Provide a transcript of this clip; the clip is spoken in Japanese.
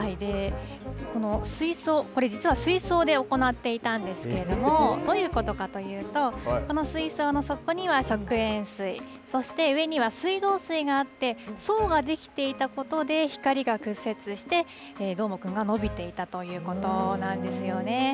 この水槽、これ、実は水槽で行っていたんですけれども、どういうことかというと、この水槽の底には食塩水、そして上には水道水があって、層が出来ていたことで光が屈折して、どーもくんが伸びていたということなんですよね。